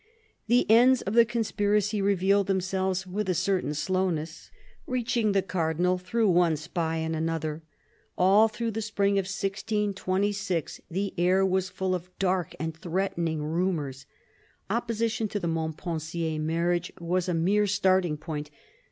The ends of the conspiracy revealed themselves with a certain slowness, reaching the Cardinal through one spy and another. All through the spring of 1626 the air was full of dark and threatening rumours. Opposition to the Montpensier marriage was a mere starting point.